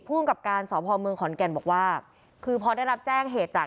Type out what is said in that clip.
ภูมิกับการสพเมืองขอนแก่นบอกว่าคือพอได้รับแจ้งเหตุจาก